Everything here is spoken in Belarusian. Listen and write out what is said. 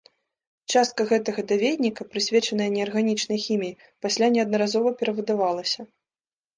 Частка гэтага даведніка, прысвечаная неарганічнай хіміі, пасля неаднаразова перавыдавалася.